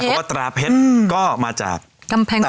แล้วก็ตราเพชรก็มาจากกำแพงเพชร